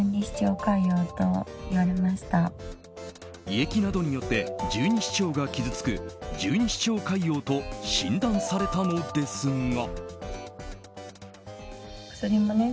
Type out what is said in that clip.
胃液などによって十二指腸が傷つく十二指腸潰瘍と診断されたのですが。